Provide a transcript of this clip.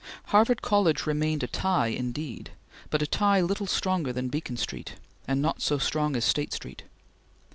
Harvard College remained a tie, indeed, but a tie little stronger than Beacon Street and not so strong as State Street.